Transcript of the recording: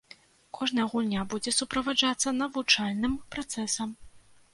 Кожная гульня будзе суправаджацца навучальным працэсам.